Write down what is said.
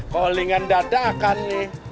kalingan dadakan nih